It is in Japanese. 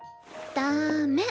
ダメ。